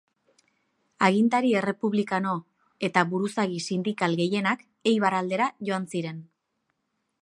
Agintari errepublikano eta buruzagi sindikal gehienak Eibar aldera joan ziren.